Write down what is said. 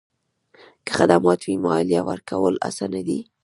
که خدمات وي، مالیه ورکول اسانه دي؟